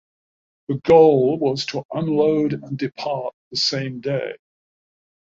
The goal was to unload and depart the same day.